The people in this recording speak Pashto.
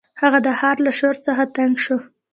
هغه د ښار له شور څخه تنګ شو.